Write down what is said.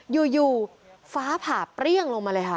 อยู่ฟ้าผ่าเปรี้ยงลงมาเลยค่ะ